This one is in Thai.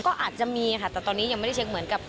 ก็อาจจะมีค่ะแต่ตอนนี้ยังไม่ได้เช็คเหมือนกับ